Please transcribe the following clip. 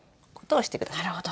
なるほど。